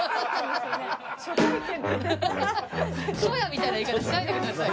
初夜みたいな言い方しないでください。